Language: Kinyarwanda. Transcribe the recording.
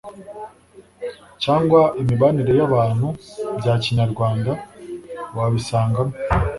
cyangwa imibanire y'abantu bya kinyarwanda wabisangamo